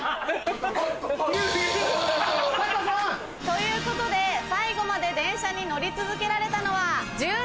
ということで最後まで電車に乗り続けられたのは。